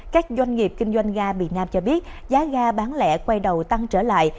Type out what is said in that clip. các doanh nghiệp kinh doanh ga miền nam cho biết giá ga bán lẻ quay đầu tăng trở lại